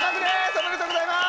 おめでとうございます。